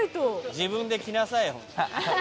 自分で着なさい。